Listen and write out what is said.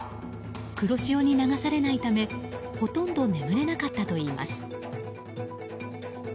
黒潮に流されないためほとんど眠れなかったといいます。